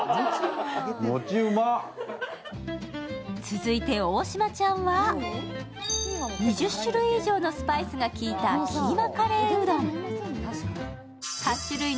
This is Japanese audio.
続いて大島ちゃんは、２０種類以上のスパイスが効いたキーマカレーうどん。